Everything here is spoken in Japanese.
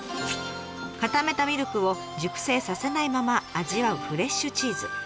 固めたミルクを熟成させないまま味わうフレッシュチーズ。